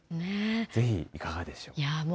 ぜひ、いかがでしょう？